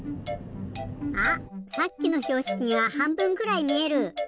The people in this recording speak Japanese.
あっさっきのひょうしきがはんぶんくらいみえる！